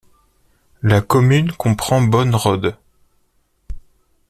La commune comprend Bonnrode.